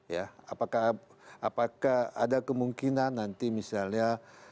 ya apakah ada kemungkinan nanti misalnya